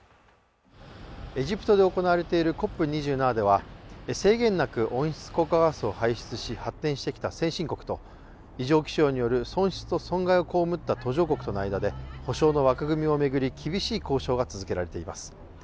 エジプトで行われているＣＯＰ２７では制限なく温室効果ガスを排出し発展してきた先進国と異常気象による損失と損害を被った途上国との間で補償の枠組みを巡り、厳しい交渉が続けられています。